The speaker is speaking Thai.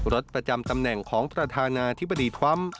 รถประจำตำแหน่งของประธานาธิปฏิทธรรม